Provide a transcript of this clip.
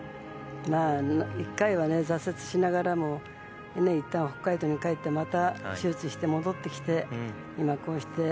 １回は挫折しながらもいったん北海道に帰ってまた手術して戻ってきて今、こうして。